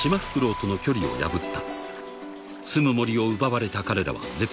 ［すむ森を奪われた彼らは絶滅寸前］